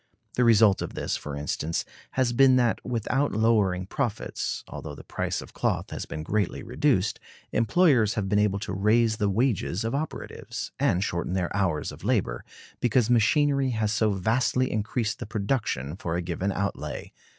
The result of this, for instance, has been that, without lowering profits, although the price of cloth has been greatly reduced, employers have been able to raise the wages of operatives, and shorten their hours of labor, because machinery has so vastly increased the production for a given outlay.